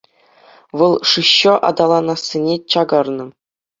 Вӑл шыҫӑ аталанассине чакарнӑ.